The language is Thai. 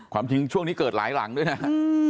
จริงช่วงนี้เกิดหลายหลังด้วยนะฮะ